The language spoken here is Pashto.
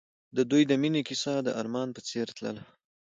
د دوی د مینې کیسه د آرمان په څېر تلله.